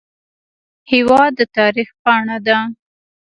هېواد د تاریخ پاڼه ده.